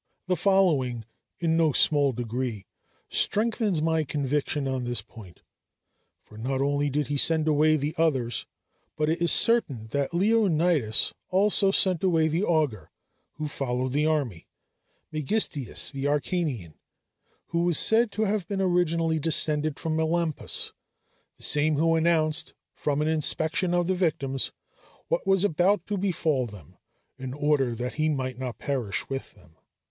The following in no small degree strengthens my conviction on this point; for not only did he send away the others, but it is certain that Leonidas also sent away the augur who followed the army, Megistias the Acarnanian, who was said to have been originally descended from Melampus, the same who announced, from an inspection of the victims, what was about to befall them, in order that he might not perish with them.